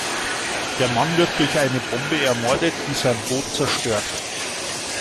Der Mann wird durch eine Bombe ermordet, die sein Boot zerstört.